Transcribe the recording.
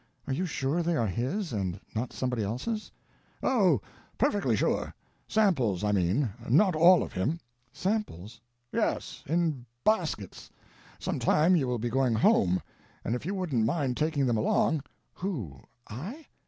"Are you sure they are his, and not somebody else's?" "Oh, perfectly sure. Samples, I mean. Not all of him." "Samples?" "Yes—in baskets. Some time you will be going home; and if you wouldn't mind taking them along—" "Who? I?"